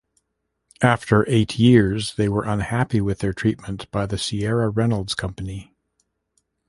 After eight years, they were unhappy with their treatment by the Sierra Reynolds Company.